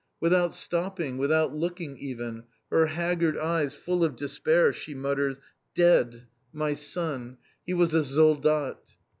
Without stopping, without looking even, her haggard eyes full of despair, she mutters: "Dead! My son! He was a soldat."